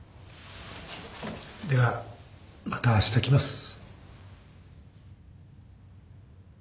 ではまたあした来ます。